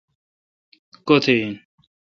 کو°تھہ ان